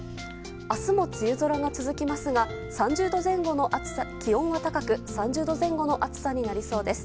明日も梅雨空が続きますが気温は高く３０度前後の暑さになりそうです。